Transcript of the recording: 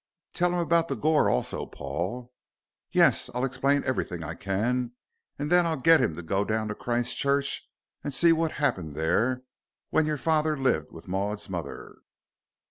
"Tell him about the goor also, Paul." "Yes. I'll explain everything I can, and then I'll get him to go down to Christchurch and see what happened there, when your father lived with Maud's mother."